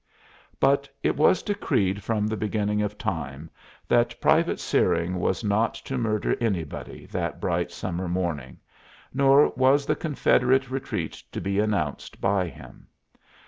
But it was decreed from the beginning of time that Private Searing was not to murder anybody that bright summer morning, nor was the Confederate retreat to be announced by him.